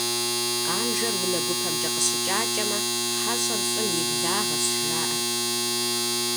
Къанжэр унэ гупэмкӀэ къыщыкӀакӀэмэ, хьэщӀэр лӀым и благъэщ, жаӀэрт.